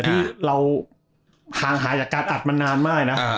ที่เราห่างหายจากการอัดมานานมากนะ